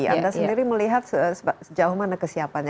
anda sendiri melihat sejauh mana kesiapannya